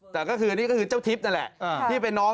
แต่ก็คืออันนี้ก็คือเจ้าทิพย์นั่นแหละที่เป็นน้อง